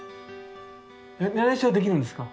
やり直しはできるんですか？